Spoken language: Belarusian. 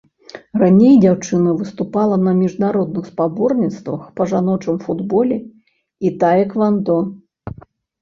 Раней дзяўчына выступала на міжнародных спаборніцтвах па жаночым футболе і таэквандо.